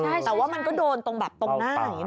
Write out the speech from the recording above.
แล้วมันก็โดนตรงหน้า